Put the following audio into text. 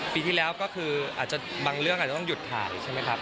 ปีที่แล้วก็คืออาจจะบางเรื่องอาจจะต้องหยุดถ่ายใช่ไหมครับ